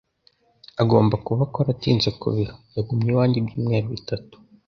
Agomba kuba akora atinze ku biro. Yagumye iwanjye ibyumweru bitatu.